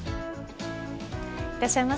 いらっしゃいませ。